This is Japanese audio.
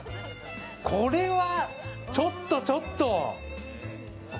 これはちょっとちょっと。